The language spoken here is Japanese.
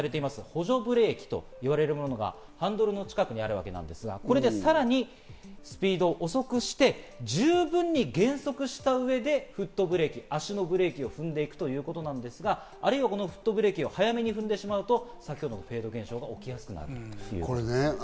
補助ブレーキというものがハンドルの近くにあるわけですが、これでさらにスピードを遅くして十分に減速した上でフットブレーキ、足のブレーキを踏んでいくということなんですが、あるいは、このフットブレーキを早く踏んでしまうと、先ほどの現象が起きやすくなってしまうということです。